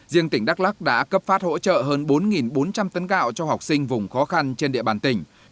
riêng tỉnh đắk lắc đã cấp phát hỗ trợ hơn bốn bốn trăm linh tấn gạo cho học sinh vùng khó khăn trên địa bàn tỉnh